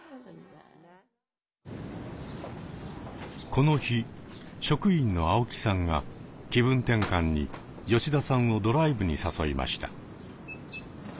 この日職員の青木さんが気分転換に吉田さんをドライブに誘いました。